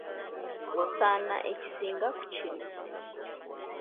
Osaana ekisinga ku kino.